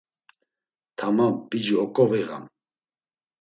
Tamam, p̌ici oǩoviğam.